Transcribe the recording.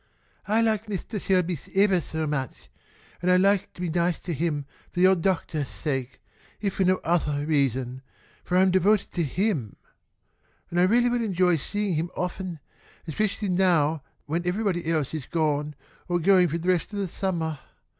"I like Mistah Shelby evah so much, and I'd like to be nice to him for the old doctah's sake if for no othah reason, for I'm devoted to him. And I really would enjoy seeing him often, especially now when everybody else is gone or going for the rest of the summah.